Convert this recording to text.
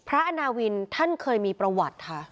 ประนะวินท่านเคยมีประวัตินะคะ